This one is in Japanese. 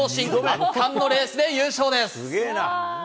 圧巻のレースで優勝です。